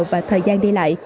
và thời gian đi lại